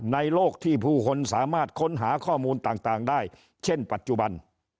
โลกที่ผู้คนสามารถค้นหาข้อมูลต่างได้เช่นปัจจุบัน